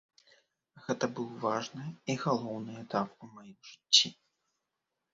Гэта быў важны і галоўны этап у маім жыцці.